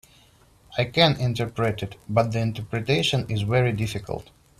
I can interpret it, but the interpretation is very difficult.